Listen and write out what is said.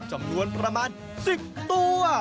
สำนวนประมาณสิบตัว